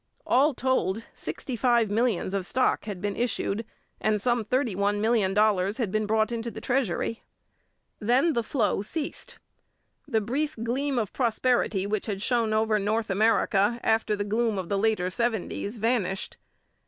All told, sixty five millions of stock had been issued and some thirty one million dollars had been brought into the treasury. Then the flow ceased. The brief gleam of prosperity which had shone over North America after the gloom of the later seventies vanished.